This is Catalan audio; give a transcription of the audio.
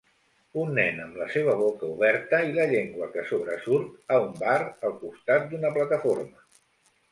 Un nen amb la seva boca oberta i la llengua que sobresurt a un bar al costat d'una plataforma